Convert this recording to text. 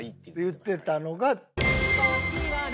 言ってたのが。